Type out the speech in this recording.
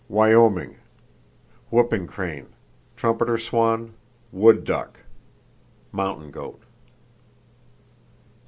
Wyoming: Whooping crane, trumpeter swan, wood duck; mountain goat.